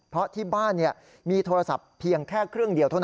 เพราะที่บ้านมีโทรศัพท์เพียงแค่เครื่องเดียวเท่านั้น